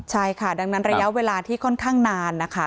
ใช่ค่ะดังนั้นระยะเวลาที่ค่อนข้างนานนะคะ